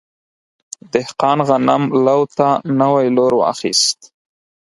دهقان غنم لو ته نوی لور واخیست.